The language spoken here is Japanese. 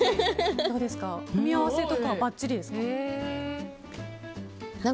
組み合わせとかばっちりですか？